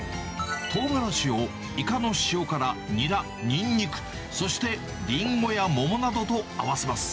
トウガラシをイカの塩辛、ニラ、ニンニク、そしてリンゴや桃などと合わせます。